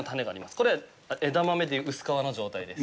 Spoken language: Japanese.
これは枝豆で言う薄皮の状態です。